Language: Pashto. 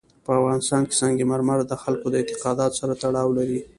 په افغانستان کې سنگ مرمر د خلکو د اعتقاداتو سره تړاو لري.